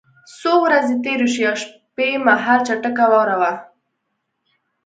څو ورځې تېرې شوې او شپه مهال چټکه واوره وه